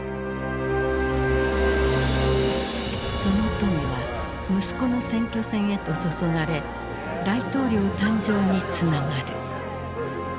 その富は息子の選挙戦へと注がれ大統領誕生につながる。